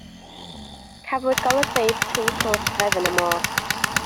Cafwyd golygfeydd trist o lygredd yn y môr.